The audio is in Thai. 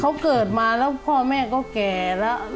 เขาเกิดมาแล้วพ่อแม่ก็แก่แล้ว